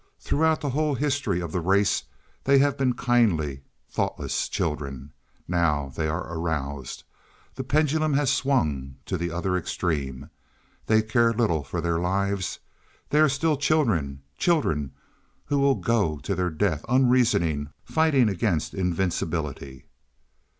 Throughout the whole history of the race they have been kindly, thoughtless children. Now they are aroused. The pendulum has swung to the other extreme. They care little for their lives. They are still children children who will go to their death unreasoning, fighting against invincibility.